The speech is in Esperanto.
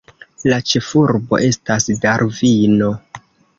La ĉefurbo estas Darvino.